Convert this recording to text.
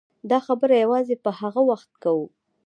دا خبره یوازې په هغه وخت کوو.